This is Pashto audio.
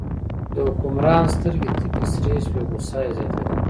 د حکمران سترګې تکې سرې شوې، غوسه یې زیاتېده.